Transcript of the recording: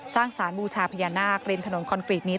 สร้างสารบูชาพญานาคเรียนถนนคอนกรีตนี้